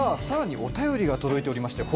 さらにお便りが届いています。